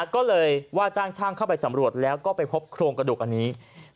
ก็เลยว่าจ้างช่างเข้าไปสำรวจแล้วก็ไปพบโครงกระดูกอันนี้